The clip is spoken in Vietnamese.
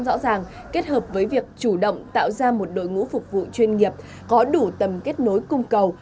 rõ ràng kết hợp với việc chủ động tạo ra một đội ngũ phục vụ chuyên nghiệp có đủ tầm kết nối cung cầu